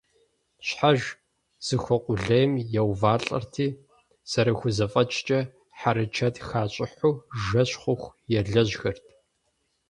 Щхьэж зыхуэкъулейм еувалӀэрти, зэрахузэфӀэкӀкӀэ, хьэрычэт хащӀыхьу, жэщ хъуху елэжьхэрт.